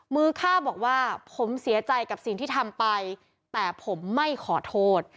มือฆ่าบอกว่าผมเสียใจกับสิ่งที่ทำไปแต่ผมไม่ขอโทษ